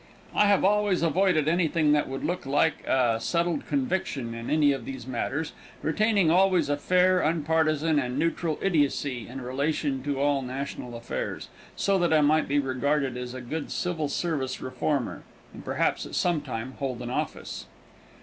I have always avoided anything that would look like a settled conviction in any of these matters, retaining always a fair, unpartisan and neutral idiocy in relation to all national affairs, so that I might be regarded as a good civil service reformer, and perhaps at some time hold an office.